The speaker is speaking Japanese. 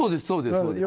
そうです。